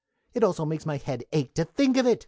"It almost makes my head ache to think of it!"